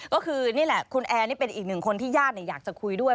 ก็คือนี่แหละคุณแอร์นี่เป็นอีกหนึ่งคนที่ญาติอยากจะคุยด้วย